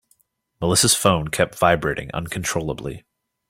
Melissa's phone kept vibrating uncontrollably.